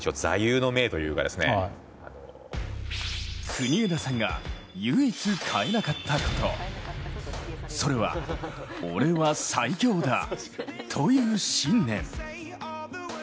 国枝さんが唯一変えなかったこと、それは、俺は最強だという信念。